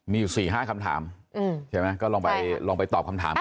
มีอยู่๔๕คำถามเห็นไหมก็ลองไปตอบคำถามกันดี